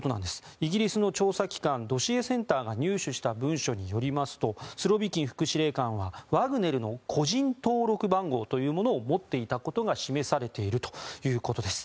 イギリスの調査機関ドシエセンターが入手した文書によりますとスロビキン副司令官はワグネルの個人登録番号というものを持っていたことが示されているということです。